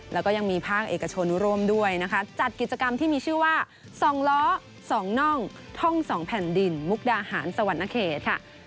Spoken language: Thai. แล้วก็ยังมีภาคเอกชนร่วมด้วยนะคะจัดกิจกรรมที่มีชื่อว่า๒ล้อ๒น่องท่อง๒แผ่นดินมุกดาหารสวรรณเขตค่ะ